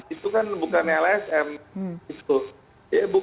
itu kan bukan lsm